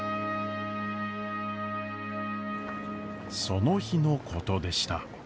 その日のことでした。